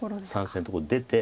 ３線のとこに出て。